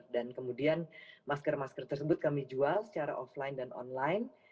dan kemudian masker masker tersebut kami jual secara offline dan online